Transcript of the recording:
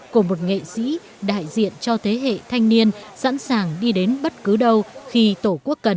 của một nghệ sĩ đại diện cho thế hệ thanh niên sẵn sàng đi đến bất cứ đâu khi tổ quốc cần